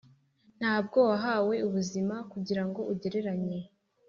ntabwo wahawe ubu buzima kugirango ugereranye.